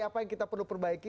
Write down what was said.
apa yang kita perlu perbaiki